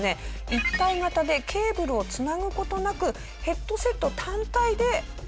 一体型でケーブルを繋ぐ事なくヘッドセット単体で映像や何か。